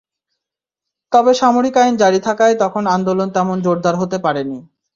তবে সামরিক আইন জারি থাকায় তখন আন্দোলন তেমন জোরদার হতে পারেনি।